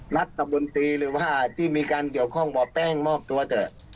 รัฐมนตรีหรือว่าที่มีการเกี่ยวข้องบ่อแป้งมอบตัวเถอะ